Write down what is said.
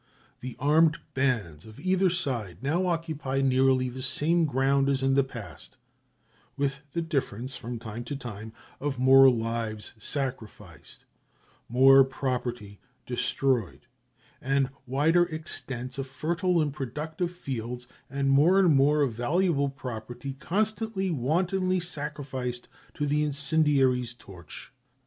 The armed bands of either side now occupy nearly the same ground as in the past, with the difference, from time to time, of more lives sacrificed, more property destroyed, and wider extents of fertile and productive fields and more and more of valuable property constantly wantonly sacrificed to the incendiary's torch.